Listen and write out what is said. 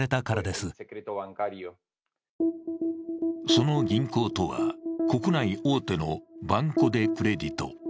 その銀行とは、国内大手のバンコ・デ・クレディト。